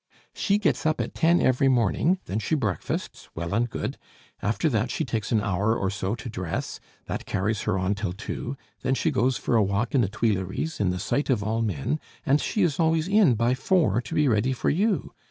"She gets up at ten every morning; then she breakfasts. Well and good. After that she takes an hour or so to dress; that carries her on till two; then she goes for a walk in the Tuileries in the sight of all men, and she is always in by four to be ready for you.